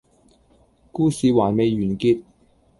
故事還未完結